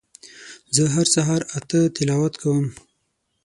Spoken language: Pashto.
زه هر سهار اته تلاوت کوم